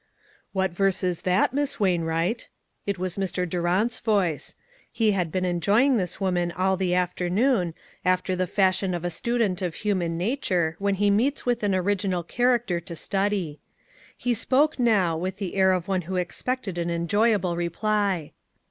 " What verse is that, Miss Wainwright ?" It was Mr. Durant's voice. He had been enjoying this woman all the afternoon, after the fashion of a student of human nature when he meets with an original character to study. He spoke, now, with the air of one who expected an enjoyable reply.